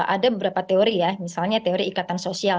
ada beberapa teori ya misalnya teori ikatan sosial